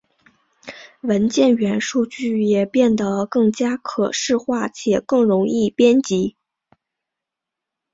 文件元数据也变得更加可视化且更容易编辑。